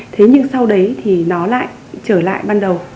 thế nhưng sau đấy thì nó lại trở lại ban đầu